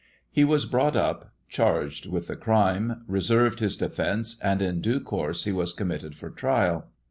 He was brought up charged with the crime, reserved his defence, and in due course he was com mitted for trial.